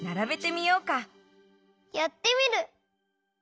やってみる！